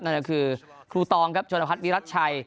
นั่นก็คือครูตองครับชวนภัทรวีรัชชัย